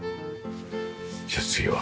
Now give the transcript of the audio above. じゃあ次は。